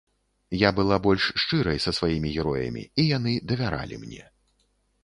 Я была больш шчырай са сваімі героямі, і яны давяралі мне.